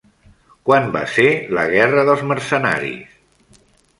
Quan va ser la guerra dels mercenaris?